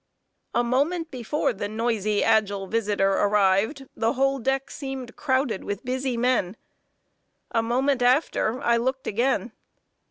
A moment before the noisy, agile visitor arrived, the whole deck seemed crowded with busy men. A moment after, I looked again.